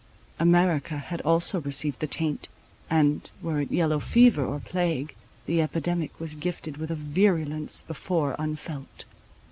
America had also received the taint; and, were it yellow fever or plague, the epidemic was gifted with a virulence before unfelt.